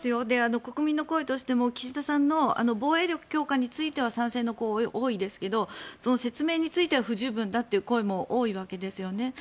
国民の声としても岸田総理の防衛力強化については賛成という声もありますが説明については不十分だという声も多いわけですよね。